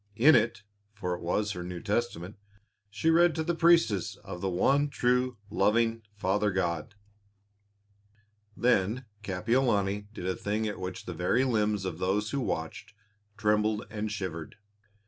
In it for it was her New Testament she read to the priestess of the one true, loving Father God. Then Kapiolani did a thing at which the very limbs of those who watched trembled and shivered.